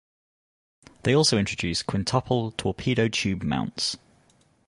They also introduced quintuple torpedo tube mounts.